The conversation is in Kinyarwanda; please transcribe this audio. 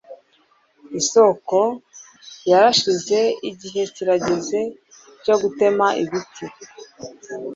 isoko yarashize, igihe kirageze, cyo gutema ibiti